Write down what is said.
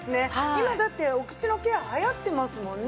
今だってお口のケア流行ってますもんね。